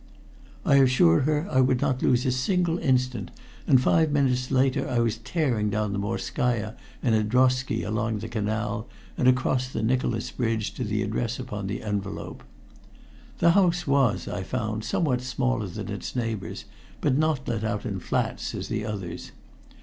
I assured her I would not lose a single instant, and five minutes later I was tearing down the Morskaya in a drosky along the canal and across the Nicholas Bridge to the address upon the envelope. The house was, I found, somewhat smaller than its neighbors, but not let out in flats as the others.